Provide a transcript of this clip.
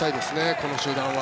この集団は。